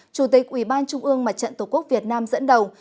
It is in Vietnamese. chủ tịch ủy ban trung ương mặt trận tổ quốc việt nam dẫn đầu